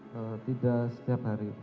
kalau tidak setiap hari